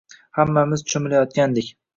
Hammamiz cho`milayotgandik